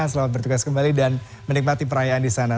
selamat bertugas kembali dan menikmati perayaan di sana